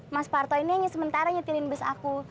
mas parto ini yang sementara nyetirin bus aku